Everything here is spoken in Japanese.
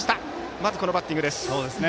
まずこのバッティング。